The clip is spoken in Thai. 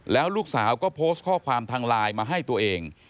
แล้วลูกสาวก็โพสต์ข้อความทางไลน์มาให้ตัวเอง